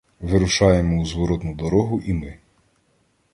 Вирушаємо у зворотну дорогу і ми.